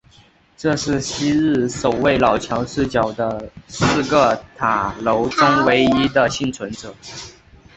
这是昔日守卫老桥四角的四个塔楼中唯一的幸存者。